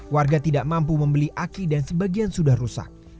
warga tidak mampu membeli aki dan sebagian sudah rusak